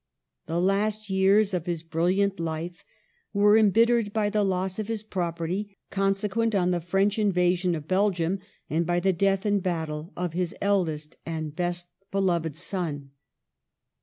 The last years of his bril liant life were embittered by the loss of his prop erty, consequent on the French invasion of Belgium, and by the death in battle of his eldest and best beloved son.